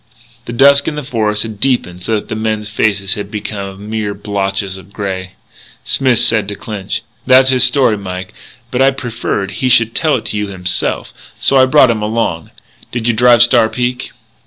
The dusk in the forest had deepened so that the men's faces had become mere blotches of grey. Smith said to Clinch: "That's his story, Mike. But I preferred he should tell it to you himself, so I brought him along.... Did you drive Star Peak?"